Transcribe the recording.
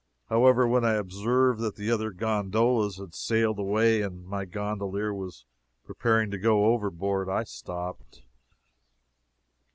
However, when I observed that the other gondolas had sailed away, and my gondolier was preparing to go overboard, I stopped.